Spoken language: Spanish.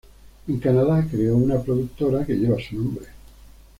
En Canadá creó una productora que lleva su nombre.